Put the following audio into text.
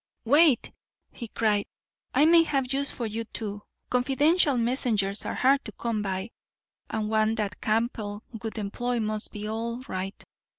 "Wait!" he cried. "I may have use for you too. Confidential messengers are hard to come by, and one that Campbell would employ must be all right.